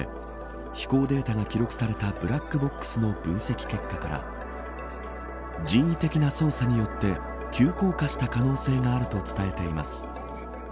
関係筋の話として飛行データが記録されたブラックボックスの分析結果から人為的な操作によって急降下した可能性があると伝えています。